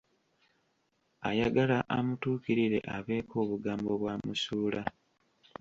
Ayagala amutuukirire abeeko obugambo bwamusuula.